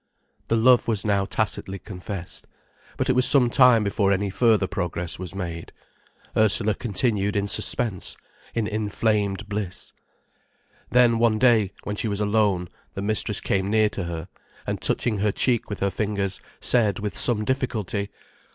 The love was now tacitly confessed. But it was some time before any further progress was made. Ursula continued in suspense, in inflamed bliss. Then one day, when she was alone, the mistress came near to her, and touching her cheek with her fingers, said with some difficulty.